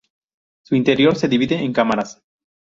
Su interior se divide en cámaras.